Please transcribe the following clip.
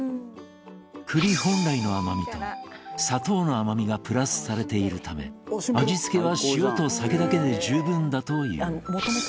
栗本来の甘みと砂糖の甘みがプラスされているため味付けは塩と酒だけで十分だという。